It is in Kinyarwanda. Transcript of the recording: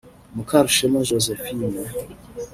Mukarushema Josephine